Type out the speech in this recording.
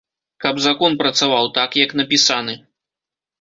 Каб закон працаваў так, як напісаны.